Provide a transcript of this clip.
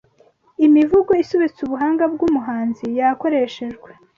imivugo isobetse ubuhanga bw’umuhanzi yakoreshejwe